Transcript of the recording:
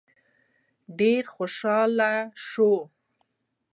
ډېر خوشحاله شو.